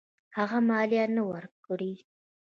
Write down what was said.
هغه مالیه نه وه ورکړې.